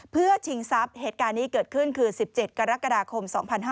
เพื่อชิงทรัพย์เหตุการณ์นี้เกิดขึ้นคือ๑๗กรกฎาคม๒๕๕๙